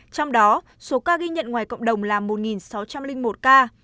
trong đó số ca ghi nhận ngoài cộng đồng là một sáu trăm linh một ca